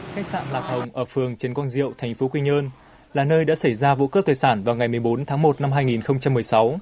khách sạn lạc hồng ở phường trần quang diệu tp quy nhơn là nơi đã xảy ra vụ cướp tài sản vào ngày một mươi bốn tháng một năm hai nghìn một mươi sáu